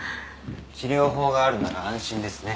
治療法があるなら安心ですね。